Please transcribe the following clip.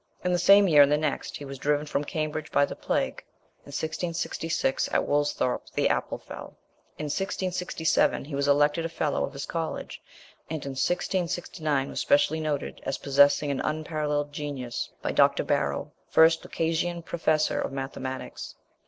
In the same year and the next he was driven from Cambridge by the plague. In 1666, at Woolsthorpe, the apple fell. In 1667 he was elected a fellow of his college, and in 1669 was specially noted as possessing an unparalleled genius by Dr. Barrow, first Lucasian Professor of Mathematics.